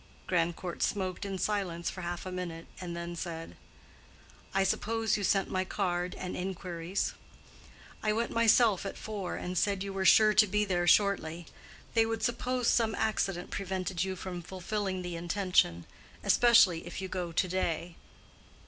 Grandcourt smoked in silence for half a minute, and then said, "I suppose you sent my card and inquiries." "I went myself at four, and said you were sure to be there shortly. They would suppose some accident prevented you from fulfilling the intention. Especially if you go to day."